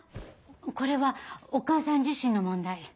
これはお母さん自身の問題。